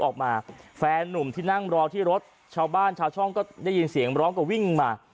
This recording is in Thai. แฟนนุ่มที่นั่งรอที่รถชาวบ้านชาวช่องก็ได้ยินเสียงร้องก็วิ่งมา